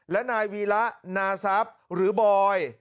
และนายวีระนาซับหรือบอย